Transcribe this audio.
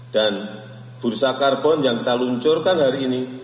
dan bursa karbon yang kita luncurkan hari ini